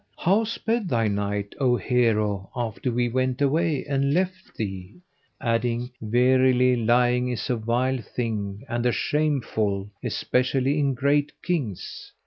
How sped thy night, O hero, after we went away and left thee?"; adding, "Verily lying is a vile thing and a shameful, especially in great Kings!